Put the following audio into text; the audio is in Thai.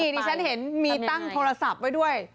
ดิฉันเห็นมีตั้งโทรศัพท์ไว้ด้วย